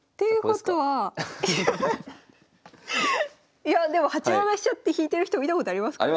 いやでも８七飛車って引いてる人見たことありますからね。